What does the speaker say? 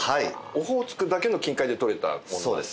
オホーツクだけの近海で取れたものですか？